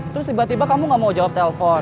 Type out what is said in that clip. terus tiba tiba kamu tidak mau jawab telepon